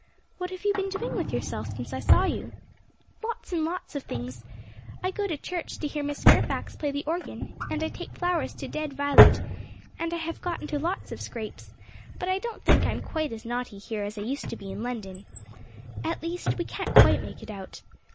'What have you been doing with yourself since I saw you?' 'Lots and lots of things. I go to church to hear Miss Fairfax play the organ; and I take flowers to dead Violet; and I have got into lots of scrapes; but I don't think I'm quite as naughty here as I used to be in London. At least, we can't quite make it out.